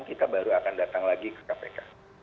kita baru akan datang lagi ke kpk